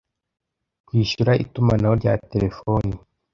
Kwishyura itumanaho rya telefoni